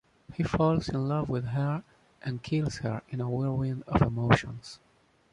He falls in love with her and, kills her in a whirlwind of emotions.